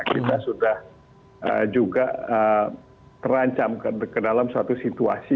kita sudah juga terancam ke dalam suatu situasi